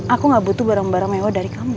aku gak butuh barang barang mewah dari kamu